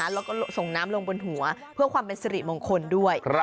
แล้วก็ส่งน้ำลงบนหัวเพื่อความเป็นสิริมงคลด้วย